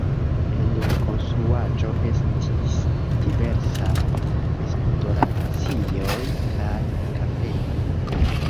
En la konstruaĵo estis diversaj restoracioj kaj kafejoj.